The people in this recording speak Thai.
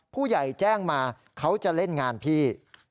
ผู้ใหญ่แจ้งมาเขาจะเล่นงานพี่